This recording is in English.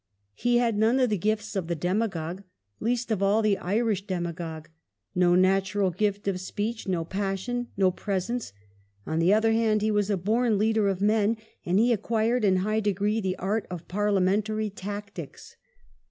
^ He had none of the gifts of the demagogue, least of all the Irish demagogue ; no natural gift of speech, no passion, no presence. On the other hand he was a born leader of men, and he acquired in high degree the art of parliamentary tactics.